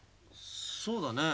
そうだね。